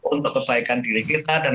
untuk selesaikan diri kita dan